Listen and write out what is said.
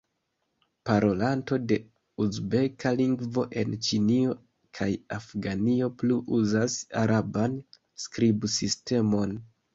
Parolantoj de uzbeka lingvo en Ĉinio kaj Afganio plu uzas araban skribsistemon.